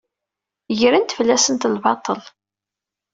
Gren-d fell-asent lbaṭel.